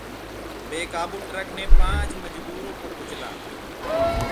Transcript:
बेकाबू ट्रक ने पांच मजदूरों को कुचला